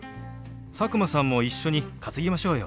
佐久間さんも一緒に担ぎましょうよ！